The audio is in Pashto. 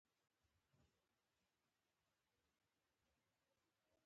ځکه چې د مریانو صادرات ډېر ګټور وو.